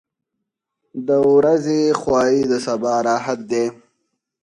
• د ورځې خواري د سبا راحت دی.